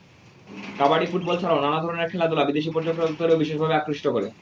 Kabaddi, football ছাড়াও নানা ধরনের খেলাধুলা বিদেশি পর্যটকদেরও বিশেষভাবে আকৃষ্ট করে।